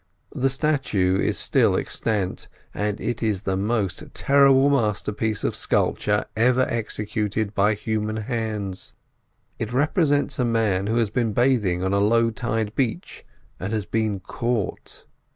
The statue is still extant, and it is the most terrible masterpiece of sculpture ever executed by human hands. It represents a man who has been bathing on a low tide beach, and has been caught.